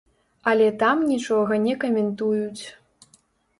Але там нічога не каментуюць.